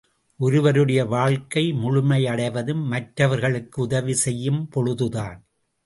ஒருவருடைய வாழ்க்கை முழுமை அடைவதும், மற்றவர்களுக்கு உதவி செய்யும் பொழுதுதான்.